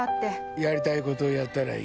やりたいことやったらいい。